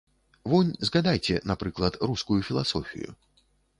Вунь згадайце, напрыклад, рускую філасофію.